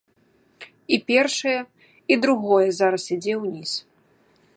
І першае, і другое зараз ідзе ўніз.